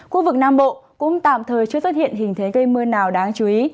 khu vực nam bộ cũng tạm thời chưa xuất hiện hình thế gây mưa nào đáng chú ý